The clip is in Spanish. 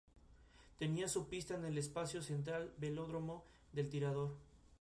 Esto es posible porque el radio de convergencia es infinito en cada serie.